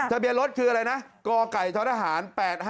เบียนรถคืออะไรนะกไก่ท้อทหาร๘๕